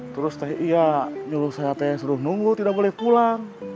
terus teh ia nyuruh saya teh yang suruh nunggu tidak boleh pulang